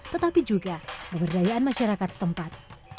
tetapi juga pemberdayaan masyarakat setempat